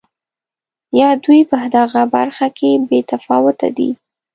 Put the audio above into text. یا دوی په دغه برخه کې بې تفاوته دي.